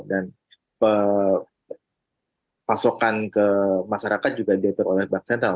dan pasokan ke masyarakat juga diatur oleh bank sentral